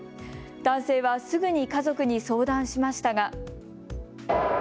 男性は、すぐに家族に相談しましたが。